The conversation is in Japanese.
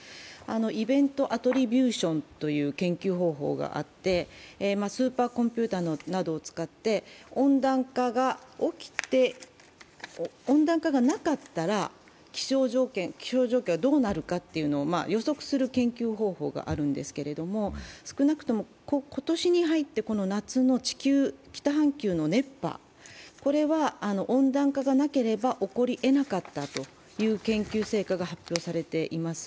イベントアトリビューションという研究方法があって、スーパーコンピューターなどを使って、温暖化がなかったら気象状況はどうなるかっていうのを予測する研究方法があるんですけども少なくとも今年に入って夏の北半球の熱波は、温暖化がなければ起こりえなかったという研究成果が発表されています。